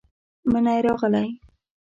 منی راغلې،